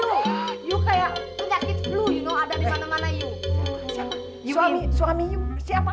raka lagi siapa